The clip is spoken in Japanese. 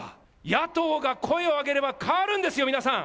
野党が声を上げれば変わるんですよ、皆さん。